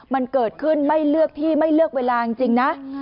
มันเกิดขึ้นไม่เลือกที่ไม่เลือกเวลาจริงนะ